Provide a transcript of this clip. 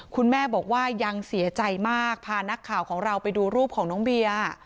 คุณแม่บอกว่ายังเสียใจมากพานักข่าวของเราไปดูรูปของน้องเบียร์